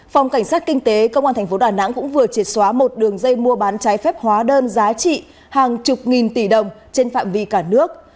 phòng cảnh sát kinh tế công an tp đà nẵng cũng vừa triệt xóa một đường dây mua bán trái phép hóa đơn giá trị hàng chục nghìn tỷ đồng trên phạm vi cả nước